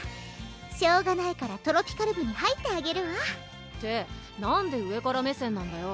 しょうがないからトロピカる部に入ってあげるわってなんで上から目線なんだよ